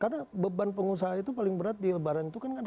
karena beban pengusaha itu paling berat di lebaran itu kan kan ada